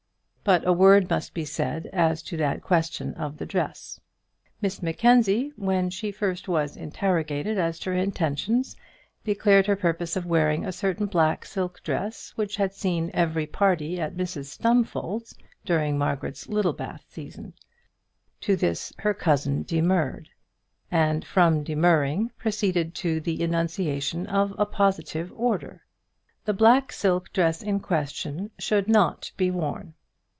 But a word must be said as to that question of the dress. Miss Mackenzie, when she was first interrogated as to her intentions, declared her purpose of wearing a certain black silk dress which had seen every party at Mrs Stumfold's during Margaret's Littlebath season. To this her cousin demurred, and from demurring proceeded to the enunciation of a positive order. The black silk dress in question should not be worn.